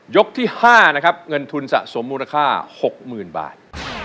ที่๕นะครับเงินทุนสะสมมูลค่า๖๐๐๐บาท